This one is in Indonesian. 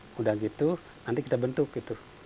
sudah gitu nanti kita bentuk gitu